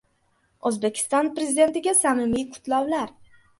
O‘zbekiston Prezidentiga samimiy qutlovlar